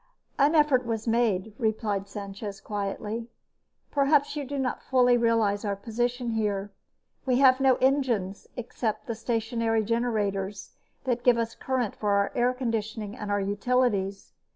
"An effort was made," replied Sanchez quietly. "Perhaps you do not fully realize our position here. We have no engines except the stationary generators that give us current for our air conditioning and our utilities.